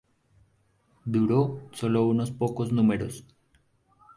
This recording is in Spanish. Duró sólo unos pocos números.